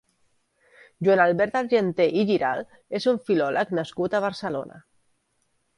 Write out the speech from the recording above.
Joan Albert Argenter i Giralt és un filòleg nascut a Barcelona.